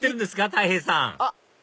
たい平さんあっ！